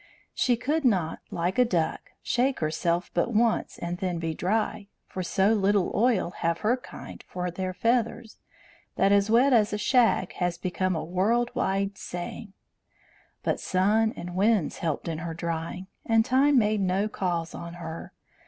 She could not, like a duck, shake herself but once and then be dry, for so little oil have her kind for their feathers that "as wet as a shag" has become a world wide saying. But sun and winds helped in her drying, and time made no calls on her.